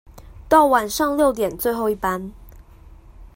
到晚上六點最後一班